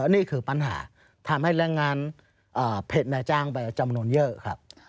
นี่คือปัญหาทำให้แรงงานเพจนายจ้างไปจำนวนเยอะครับ